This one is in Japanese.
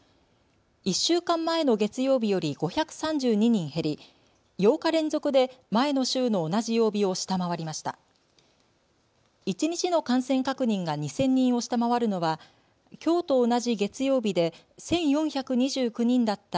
１週間前の月曜日より５３２人減り、８日連続で前の週の同じ曜日を下回りました。